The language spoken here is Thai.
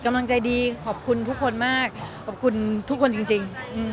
กำลังใจดีขอบคุณทุกคนมากขอบคุณทุกคนจริง